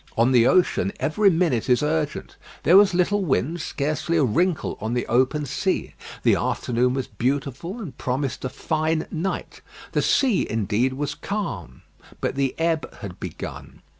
On the ocean every minute is urgent. There was little wind; scarcely a wrinkle on the open sea. The afternoon was beautiful, and promised a fine night. The sea, indeed, was calm, but the ebb had begun.